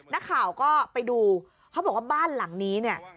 นักข่าวก็ไปดูเขาบอกว่าบ้านหลังนี้เนี่ย